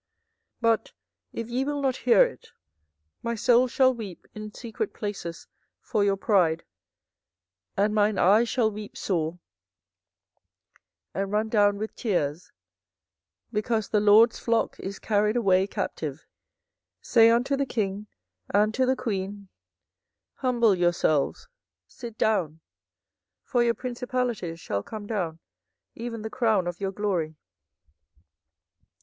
24:013:017 But if ye will not hear it, my soul shall weep in secret places for your pride; and mine eye shall weep sore, and run down with tears, because the LORD's flock is carried away captive. 24:013:018 Say unto the king and to the queen, Humble yourselves, sit down: for your principalities shall come down, even the crown of your glory.